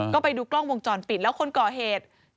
ก็ไปดูกล้องวงจรปิดแล้วคนก่อเหตุ